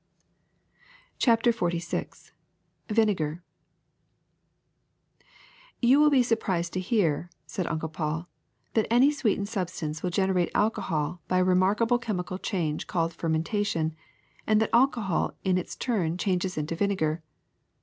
CHAPTER XLVI VINEGAR * \7'0J] will be surprised to hear, '' said Uncle Paul, A ^Hhat any sweetened substance will generate alcohol by a remarkable chemical change called fer mentation, and that alchohol in its turn changes into vinegar.